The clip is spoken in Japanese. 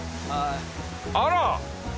あら！